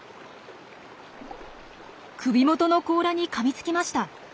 首元の甲羅にかみつきました。